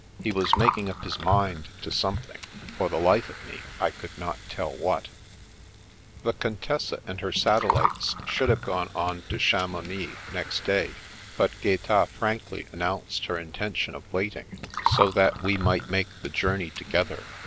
He was making up his mind to something, for the life of me I could not tell what The Qjntessa and her satellites should have gone on to Chamounix next day, but Gaeta frankly an nounced her intention of waiting, so that we might make the journey together.